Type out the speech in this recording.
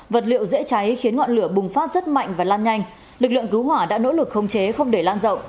vật liệu dễ cháy khiến ngọn lửa bùng phát rất mạnh và lan nhanh lực lượng cứu hỏa đã nỗ lực khống chế không để lan rộng